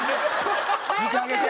見てあげて。